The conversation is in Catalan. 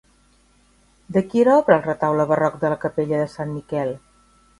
De qui era obra el retaule barroc de la capella de Sant Miquel?